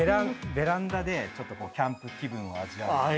ベランダでキャンプ気分を味わう。